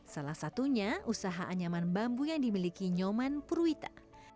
salah satunya usaha anyaman bambu yang dimiliki nyoman purwita